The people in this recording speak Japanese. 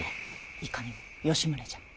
いかにも吉宗じゃ。